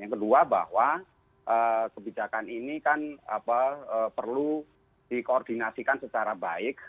yang kedua bahwa kebijakan ini kan perlu dikoordinasikan secara baik